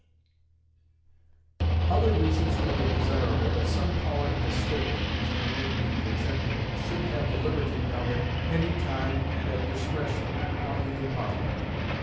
Other reasons make it desirable that some power in the state (which can only be the executive) should have the liberty of at any time, and at discretion, calling a new Parliament.